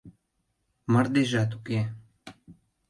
Мардежат уке.